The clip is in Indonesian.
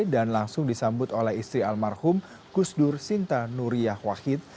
dan langsung disambut oleh istri almarhum gusdur sinta nuriyah wahid